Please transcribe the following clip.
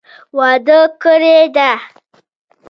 واده کړي دي.